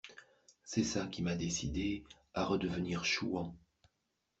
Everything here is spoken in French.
C'est ça qui m'a décidé à redevenir chouan.